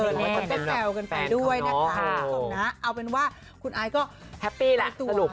แน่แฟลกันไปด้วยนะคะสนนะเอาเป็นว่าคุณไอ้ก็แฮปปี้แหละสรุป